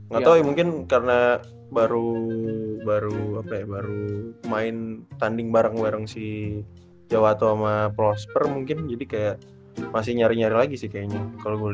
ga tau ya mungkin karena baru baru apa ya baru main tanding bareng bareng si jawa atau sama prosper mungkin jadi kayak masih nyari nyari lagi sih kayaknya kalo gue liat awal awal